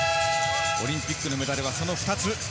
オリンピックのメダルはその２つ。